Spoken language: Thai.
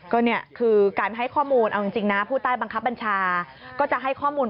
ก็คือการให้ข้อมูลเอาจริงนะผู้ใต้บังคับบัญชาก็จะให้ข้อมูล